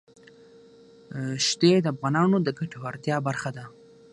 ښتې د افغانانو د ګټورتیا برخه ده.